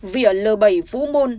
vỉa l bảy vũ môn